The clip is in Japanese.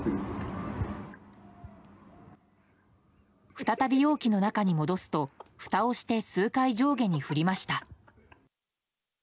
再び容器の中に戻すとふたをして数回上下に振りました。